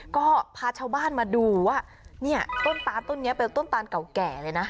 ก็พาชาวบ้านมาดูว่าเนี่ยต้นตานต้นนี้เป็นต้นตานเก่าแก่เลยนะ